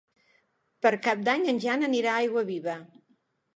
Per Cap d'Any en Jan anirà a Aiguaviva.